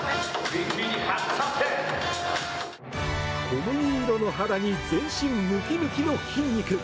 小麦色の肌に全身ムキムキの筋肉。